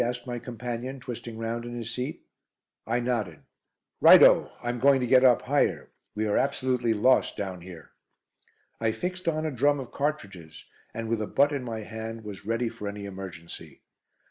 asked my companion, twisting round in his seat. I nodded. "Right o! I'm going to get up higher. We are absolutely lost down here." I fixed on a drum of cartridges, and with a butt in my hand was ready for any emergency.